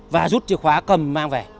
và rút chìa khóa cầm mang về